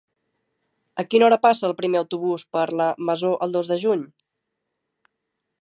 A quina hora passa el primer autobús per la Masó el dos de juny?